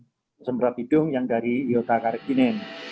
jadi kita juga memiliki beberapa bidung yang dari yogyakarta